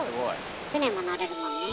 舟も乗れるもんね。